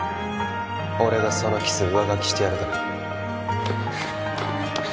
俺がそのキス上書きしてやるから